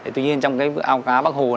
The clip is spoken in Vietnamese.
tuy nhiên trong cái ao cá bắc hồ